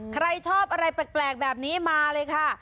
ใครชอบอะไรแปลกแบบนี้มาเลยค่ะ